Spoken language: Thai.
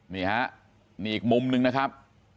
นี่ฮะนี่อีกมุมนึงนะครับ